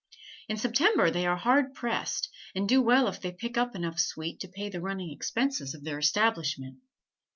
In September they are hard pressed, and do well if they pick up enough sweet to pay the running expenses of their establishment.